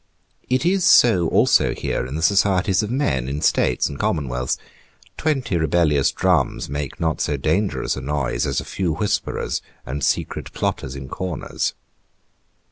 It is so also here in the societies of men, in states and commonwealths. Twenty rebellious drums make not so dangerous a noise as a few whisperers and secret plotters in corners.